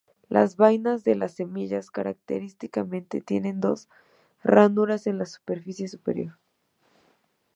Las vainas de las semillas característicamente tienen dos ranuras en la superficie superior.